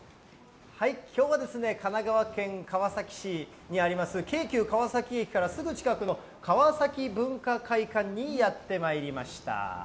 きょうは、神奈川県川崎市にあります、京急川崎駅からすぐ近くのカワサキ文化会館にやってまいりました。